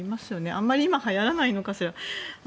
あまり今、はやらないのかしら。